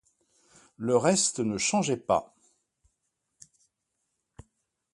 Le reste ne changeait pas.